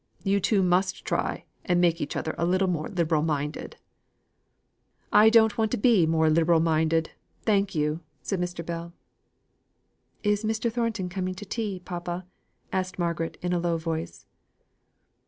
You two must try and make each other a little more liberal minded." "I don't want to be more liberal minded, thank you," said Mr. Bell. "Is Mr. Thornton coming to tea, papa!" asked Margaret in a low voice.